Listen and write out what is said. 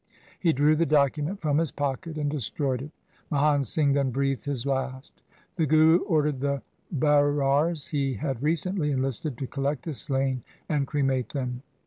He drew the document from his pocket and destroyed it. Mahan Singh then breathed his last. The Guru ordered the Bairars he had recently enlisted to collect the slain and cremate them.